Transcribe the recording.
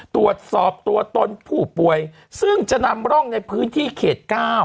ตรวจสอบตัวตนผู้ป่วยซึ่งจะนำร่องในพื้นที่เขต๙